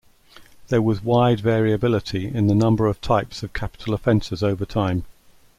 There was wide variability in the number of types of capital offences over time.